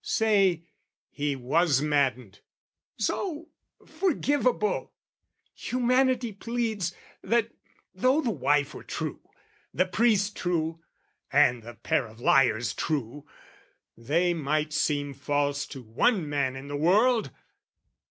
Say, he was maddened, so, forgivable! Humanity pleads that though the wife were true, The priest true, and the pair of liars true, They might seem false to one man in the world!